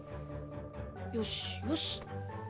よしよし。